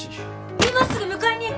今すぐ迎えに行く！